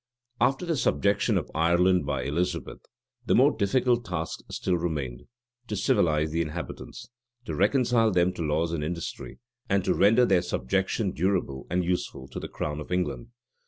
After the subjection of Ireland by Elizabeth, the more difficult task still remained; to civilize the inhabitants, to reconcile them to laws and industry, and to render their subjection durable and useful to the crown of England.